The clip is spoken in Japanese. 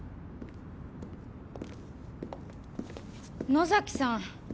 野崎さん